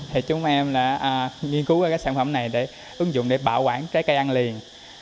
thì chúng em đã nghiên cứu ra cái sản phẩm này để ứng dụng để bảo quản trái cây ăn liền